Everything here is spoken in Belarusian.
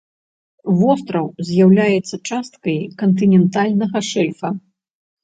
Востраў з'яўляецца часткай кантынентальнага шэльфа.